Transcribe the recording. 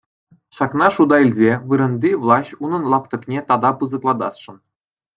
Ҫакна шута илсе вырӑнти влаҫ унӑн лаптӑкне тата пысӑклатасшӑн.